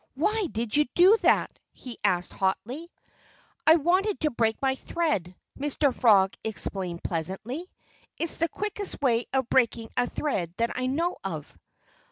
"Why did you do that?" he asked hotly. "I wanted to break my thread," Mr. Frog explained pleasantly. "It's the quickest way of breaking a thread that I know of."